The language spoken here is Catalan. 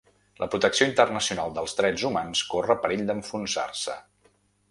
La protecció internacional dels drets humans corre perill d’enfonsar-se.